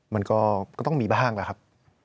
มันก็ต้องมีบ้างแหละครับ